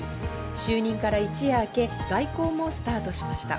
就任から一夜あけ外交もスタートしました。